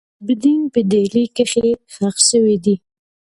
قطب الدین په ډهلي کښي ښخ سوی دئ.